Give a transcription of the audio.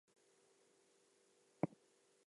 There was also a steam icebreaker "Georgy Sedov".